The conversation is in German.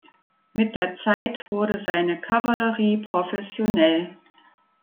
Mit der Zeit wurde seine Kavallerie professionell.